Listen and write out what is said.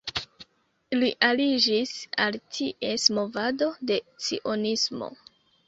Li aliĝis al ties movado de Cionismo.